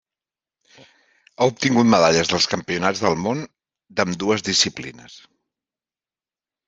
Ha obtingut medalles dels campionats del món d'ambdues disciplines.